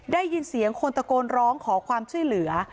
ได้ยินเสียงคนตะโกนร้องขอความช่วยเหลือ